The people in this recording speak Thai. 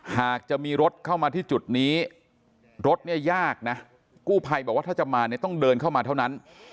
หากจะมีรถเข้ามาที่จุดนี้รถเนี่ยยากนะกู้ภัยบอกว่าถ้าจะมาเนี่ยต้องเดินเข้ามาเท่านั้น